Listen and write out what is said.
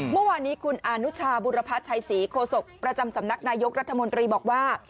เมื่อวานนี้คุณอนุชาบุรพัชชัยศรีโคศกประจำสำนักนายกรัฐมนตรีบอกว่า